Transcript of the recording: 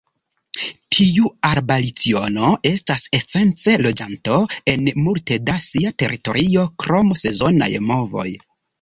Tiu arbalciono estas esence loĝanto en multe de sia teritorio, krom sezonaj movoj.